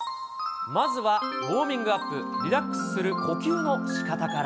まずはウォーミングアップ、リラックスする呼吸のしかたから。